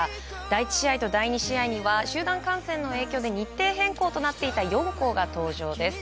第１試合と第２試合では集団感染の影響で日程変更となっていた４校が登場です。